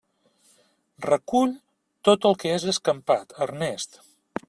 Recull tot el que has escampat, Ernest!